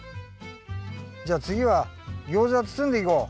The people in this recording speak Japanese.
じゃあつぎはギョーザをつつんでいこう。